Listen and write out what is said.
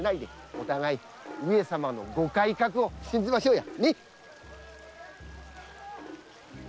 お互い上様のご改革を信じましょうや。